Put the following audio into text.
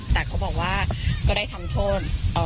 แต่เขาบอกว่าก็ได้ทำโทษ